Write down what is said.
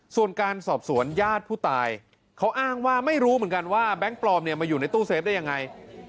ส่วนการสอบสวนญาติผู้ตายเขาอ้างว่าไม่รู้เหมือนกันว่าแบงค์ปลอมเนี่ยมาอยู่ในตู้เซฟได้ยังไง